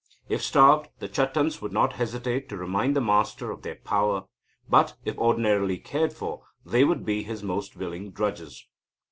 If starved, the Chattans would not hesitate to remind the master of their power, but, if ordinarily cared for, they would be his most willing drudges.